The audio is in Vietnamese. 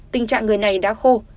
tình trạng người này đã khô